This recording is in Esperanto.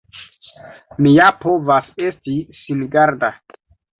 Mi ja povas esti singarda!